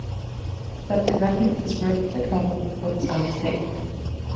But the remnant is worth the trouble for its own sake.